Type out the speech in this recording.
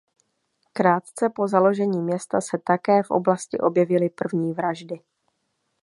Krátce po založení města se také v oblasti objevily první vraždy.